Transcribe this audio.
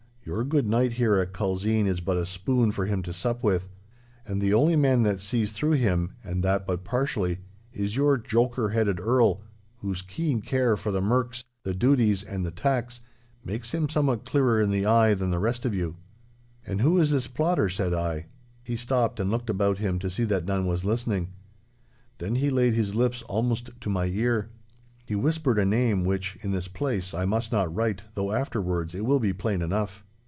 Your good knight here at Culzean is but a spoon for him to sup with. And the only man that sees through him (and that but partially) is your joker headed Earl, whose keen care for the merks, the duties, and the tacks, makes him somewhat clearer in the eye than the rest of you.' 'And who is this plotter?' said I. He stopped and looked about him to see that none was listening. Then he laid his lips almost to my ear. He whispered a name which, in this place, I must not write, though afterwards it will be plain enough.